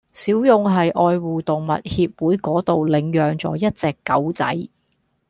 小勇喺愛護動物協會嗰度領養咗一隻狗仔